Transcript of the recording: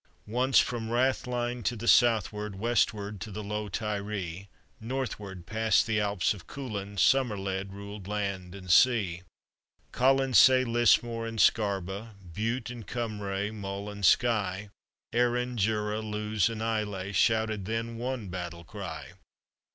Once from Rathline to the southward, Westward to the low Tiree, Northward, past the Alps of Coolin, Somerled ruled land and sea. Colonsay, Lismore, and Scarba, Bute and Cumrae, Mull and Skye, Arran, Jura, Lew's, and Islay, Shouted then one battle cry.